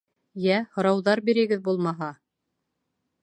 — Йә, һорауҙар бирегеҙ, булмаһа.